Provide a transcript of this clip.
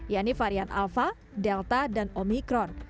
yaitu varian alpha delta dan omikron